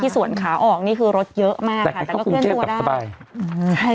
ที่สวนขาออกนี่คือรถเยอะมากค่ะแล้วก็ขึ้นดับสบายอืมใช่